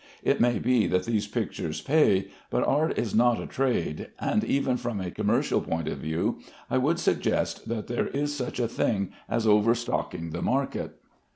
It may be that these pictures pay, but art is not a trade; and even from a commercial point of view, I would suggest that there is such a thing as over stocking the market.